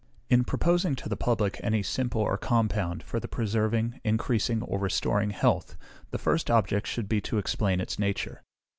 In proposing to the public any simple or compound, for the preserving, increasing, or restoring health, the first object should be to explain its nature.